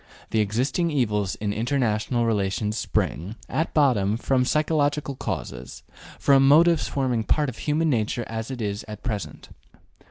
The existing evils in international relations spring, at bottom, from psychological causes, from motives forming part of human nature as it is at present.